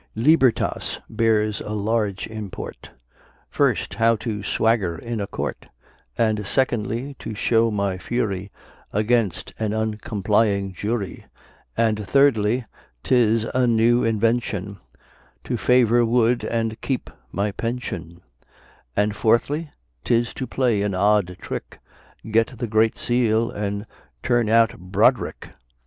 Libertas bears a large import: First, how to swagger in a court; And, secondly, to show my fury Against an uncomplying Jury; And, thirdly, 'tis a new invention To favor Wood, and keep my pension: And fourthly, 'tis to play an odd trick, Get the Great Seal, and turn out Brod'rick.